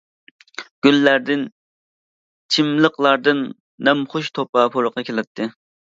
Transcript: گۈللەردىن، چىملىقلاردىن نەمخۇش توپا پۇرىقى كېلەتتى.